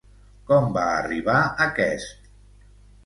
Com va arribar aquest?